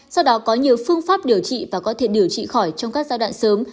sau đó có nhiều phương pháp điều trị và có thể điều trị khỏi trong các giai đoạn sớm